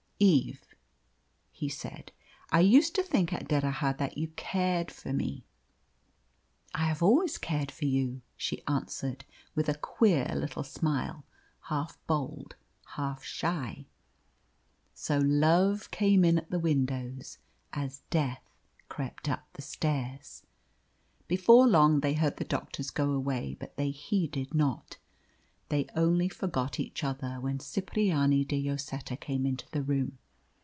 "Eve," he said, "I used to think at D'Erraha that you cared for me." "I have always cared for you," she answered, with a queer little smile, half bold, half shy. So Love came in at the windows as Death crept up the stairs. Before long they heard the doctors go away, but they heeded not. They only forgot each other when Cipriani de Lloseta came into the room.